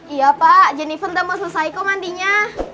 iya pak jennifer udah mau selesai kok mandinya